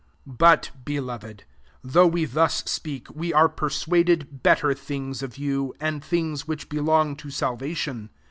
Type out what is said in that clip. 9 But, beloved, though we hus speak, we are persuaded »ctter things of you, and things rhich belong to salvation.